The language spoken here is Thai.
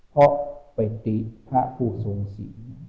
เพราะไปตี้พระผู้ทรงสี